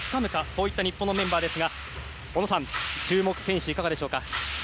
そういった日本のメンバーですが小野さん注目選手、いかがでしょうか。